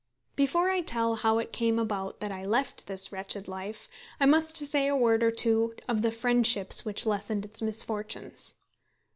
Before I tell how it came about that I left this wretched life, I must say a word or two of the friendships which lessened its misfortunes.